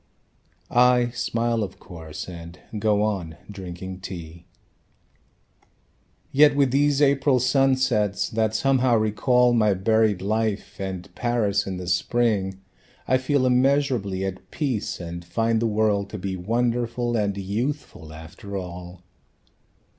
I smile, of course, And go on drinking tea. "Yet with these April sunsets, that somehow recall My buried life, and Paris in the Spring, I feel immeasurably at peace, and find the world To be wonderful and youthful, after all."